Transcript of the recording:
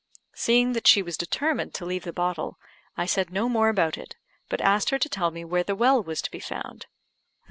Seeing that she was determined to leave the bottle, I said no more about it, but asked her to tell me where the well was to be found.